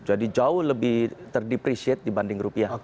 jadi jauh lebih terdepresiate dibanding rupiah